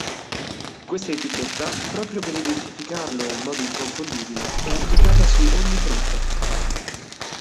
Questa etichetta, proprio per identificarlo in modo inconfondibile, è applicata su ogni frutto.